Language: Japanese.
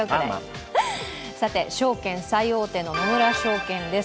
さて証券最大手の野村證券です。